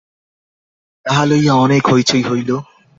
তাহা লইয়া অনেক হৈ চৈ হইল।